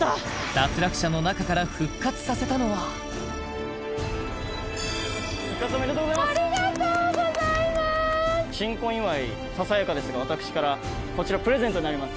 脱落者の中から復活おめでとうございますありがとうございますささやかですが私からこちらプレゼントになります